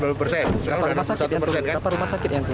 berapa rumah sakit yang turun